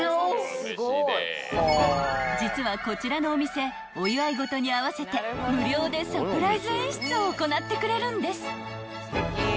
［実はこちらのお店お祝い事に合わせて無料でサプライズ演出を行ってくれるんです］